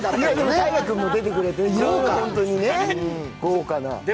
太賀君も出てくれて、豪華な。